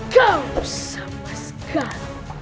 kau sama sekali